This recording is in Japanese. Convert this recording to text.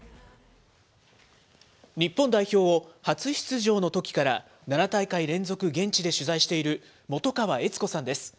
日本代表を初出場のときから、７大会連続、現地で取材している元川悦子さんです。